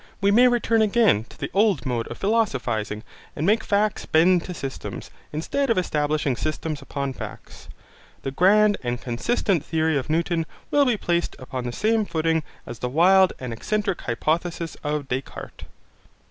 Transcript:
We may return again to the old mode of philosophising and make facts bend to systems, instead of establishing systems upon facts. The grand and consistent theory of Newton will be placed upon the same footing as the wild and eccentric hypotheses of Descartes.